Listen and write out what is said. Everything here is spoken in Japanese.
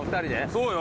そうよ